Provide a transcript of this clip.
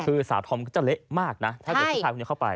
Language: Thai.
คือสาวธอมก็จะเละมากนะถ้าเกิดผู้ชายคนนี้เข้าไป